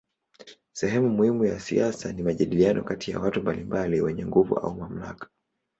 Sehemu muhimu ya siasa ni majadiliano kati ya watu mbalimbali wenye nguvu au mamlaka.